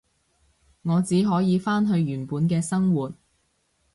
我只可以返去原本嘅生活